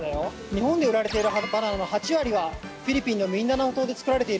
日本で売られているバナナの８割はフィリピンのミンダナオ島で作られているんだ。